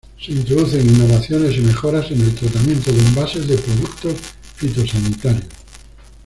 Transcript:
Se introducen innovaciones y mejoras en el tratamiento de envases de productos fitosanitarios.